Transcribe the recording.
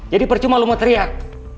jadi percuma lo mau teriak